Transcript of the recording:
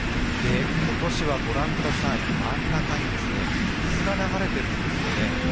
今年はご覧ください真ん中に水が流れてるんですよね。